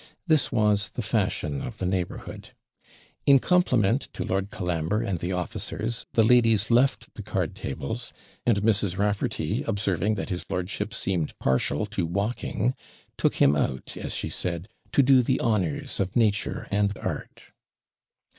This was the fashion of the neighbourhood. In compliment to Lord Colambre and the officers, the ladies left the card tables; and Mrs. Raffarty, observing that his lordship seemed PARTIAL to walking, took him out, as she said, 'to do the honours of nature and art.'